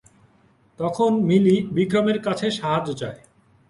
তখন মিলি বিক্রমের কাছে সাহায্য চায়।